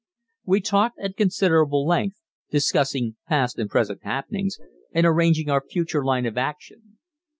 We talked at considerable length, discussing past and present happenings, and arranging our future line of action.